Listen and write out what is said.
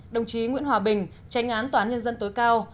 đồng chí nguyễn hòa bình tranh án toán nhân dân tối cao